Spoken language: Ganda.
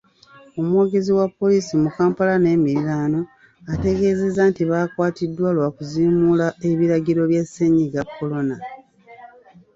Omwogezi wa poliisi mu Kampala n'emiriraano, ategeezezza nti baakwatiddwa lwakuziimuula ebiragiro bya Ssennyiga Corona.